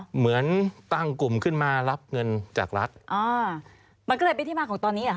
เหมือนตั้งกลุ่มขึ้นมารับเงินจากรัฐอ่ามันก็เลยเป็นที่มาของตอนนี้เหรอค